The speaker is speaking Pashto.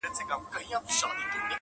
پلار چوپتيا کي مات ښکاري,